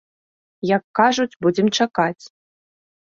Як кажуць, будзем чакаць.